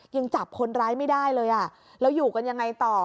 ยังจับคนร้ายไม่ได้เลยอ่ะแล้วอยู่กันยังไงต่อ